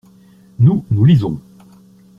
Nous, nous lisons.